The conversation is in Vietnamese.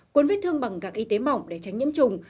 cuốn vết thương bằng gạc y tế mỏng để tránh nhiễm trùng